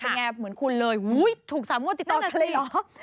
เป็นอย่างนี้เหมือนคุณเลยโอ้โฮถูก๓มวดติดต่อคลิป